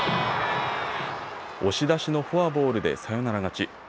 押し出しのフォアボールでサヨナラ勝ち。